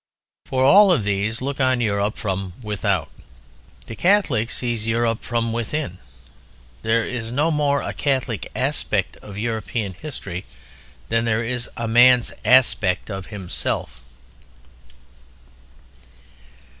For all of these look on Europe from without. The Catholic sees Europe from within. There is no more a Catholic "aspect" of European history than there is a man's "aspect" of himself.